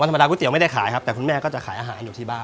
ธรรมดาก๋วเตี๋ไม่ได้ขายครับแต่คุณแม่ก็จะขายอาหารอยู่ที่บ้าน